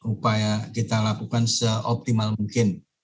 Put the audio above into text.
upaya kita lakukan seoptimal mungkin